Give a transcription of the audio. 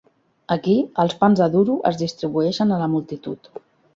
Aquí, els pans de duro es distribueixen a la multitud.